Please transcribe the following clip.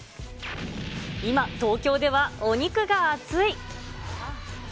今、東京ではお肉が熱い。